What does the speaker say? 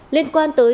liên quan tới